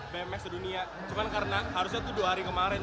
bmx sedunia cuma karena harusnya itu dua hari kemarin